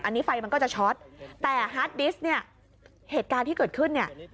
อันนี้ไฟมันก็จะช็อตแต่ฮาร์ดดิสต์เนี่ยเหตุการณ์ที่เกิดขึ้นเนี่ย